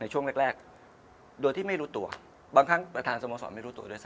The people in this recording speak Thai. ช่วงแรกโดยที่ไม่รู้ตัวบางครั้งประธานสโมสรไม่รู้ตัวด้วยซะ